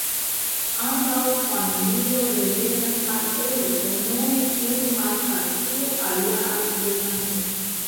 Ambaŭ familio revenas al Eŭropo nome unu al Francio, alia al Germanio.